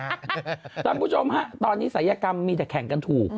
สำหรับผู้ชมตอนนี้สายกรรมมีแต่แข่งกันถูก